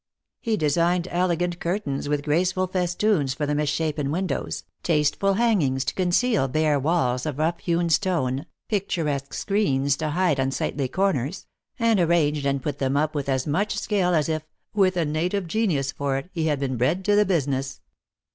He designed elegant curtains, with grace ful festoons for the misshapen windows, tasteful hang ings to conceal bare walls of rough hewn stone, pic turesque screens to hide unsightly corners ; and ar ranged and put them up with as much skill as if, with a native genius for it, he had been bred to the busi ness.